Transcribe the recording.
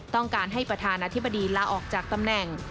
ต้องการให้ประธานาธิบดีลาออกจากตำแหน่ง